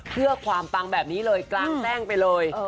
เพื่อความปังแบบนี้เลยกลางแจ้งไปเลย